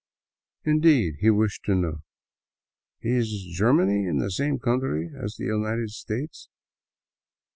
Indeed, he wished to know, " Is Germany in the same country as the United States?"